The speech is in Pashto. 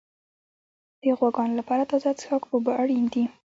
د غواګانو لپاره تازه څښاک اوبه اړین دي.